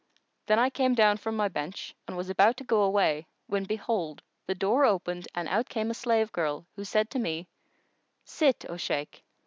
Then I came down from my bench[FN#115] and was about to go away, when behold, the door opened and out came a slave girl, who said to me, "Sit, O Shaykh!"